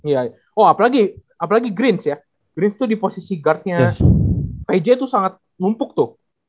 ya oh apalagi greenz ya greenz tuh di posisi guardnya p i j tuh sangat lumpuk tuh